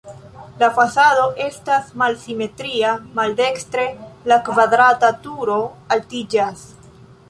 La fasado estas malsimetria, maldekstre la kvadrata turo altiĝas.